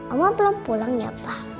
oma belum pulang ya papa